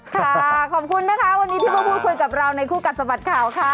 ขอบคุณนะคะวันนี้ที่มาพูดคุยกับเราในคู่กัดสะบัดข่าวค่ะ